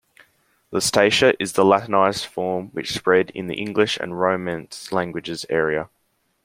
"Lusatia" is the Latinised form which spread in the English and Romance languages area.